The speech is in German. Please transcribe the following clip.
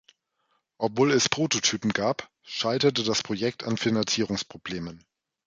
Obwohl es Prototypen gab, scheiterte das Projekt an Finanzierungsproblemen.